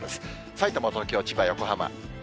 さいたま、東京、千葉、横浜。